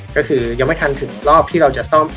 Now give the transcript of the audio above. ก็คือยังไม่ทันถึงรอบที่เราจะซ่อม